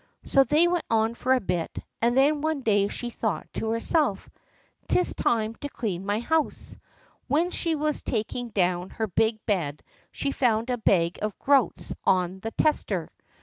So they went on for a bit, and then one day she thought to herself, "'Tis time to clean up my house." When she was taking down her big bed she found a bag of groats on the tester.